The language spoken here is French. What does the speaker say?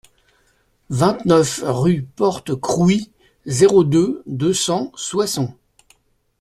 vingt-neuf rue Porte Crouy, zéro deux, deux cents Soissons